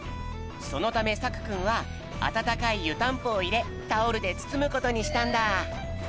そのためさくくんはあたたかいゆたんぽをいれタオルでつつむことにしたんだ。